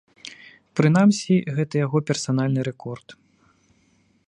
Прынамсі, гэта яго персанальны рэкорд.